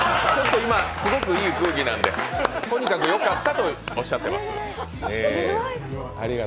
今すごくいい雰囲気なので、とにかくよかったとおっしゃってます。